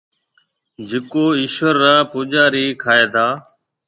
جڪو ايشوَر را پُوجاري کائيتا۔